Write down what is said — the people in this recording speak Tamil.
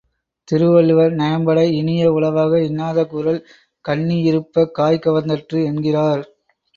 திருவள்ளுவர் நயம்பட, இனிய உளவாக இன்னாத கூறல் கன்னியிருப்பக் காய்கவர்ந் தற்று என்கிறார்.